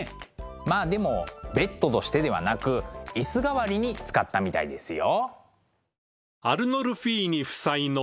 まあでもベッドとしてではなく椅子代わりに使ったみたいですよ。